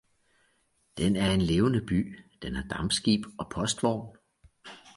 den er en levende by, den har dampskib og postvogn.